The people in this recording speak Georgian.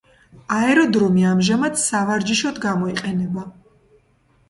აეროდრომი ამჟამად სავარჯიშოდ გამოიყენება.